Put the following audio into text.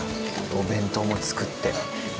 お弁当も作って。